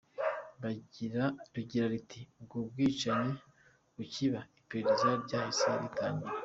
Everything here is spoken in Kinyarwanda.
Rigira riti “Ubwo bwicanyi bukiba, iperereza ryahise ritangira.